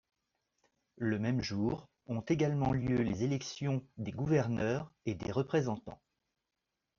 Le même jour ont également lieu les élections des gouverneurs et des représentants.